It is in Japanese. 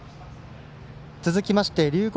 続きまして龍谷